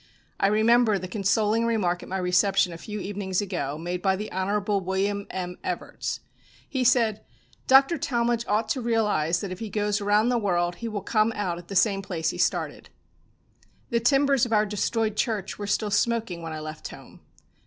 I remembered the consoling remark at my reception a few evenings ago, made by the Hon. William M. Evarts. He said: "Dr. Talmage ought to realise that if he goes around the world he will come out at the same place he started." The timbers of our destroyed church were still smoking when I left home.